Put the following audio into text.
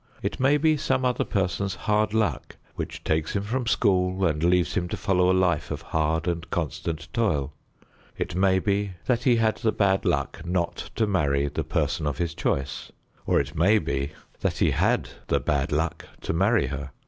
It may be some other person's hard luck which takes him from school and leaves him to follow a life of hard and constant toil. It may be that he had the bad luck not to marry the person of his choice, or it may be that he had the bad luck to marry her.